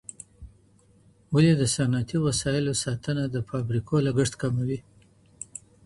ولي د صنعتي وسایلو ساتنه د فابریکو لګښت کموي؟